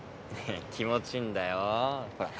気持ちいいんだよ。ほら。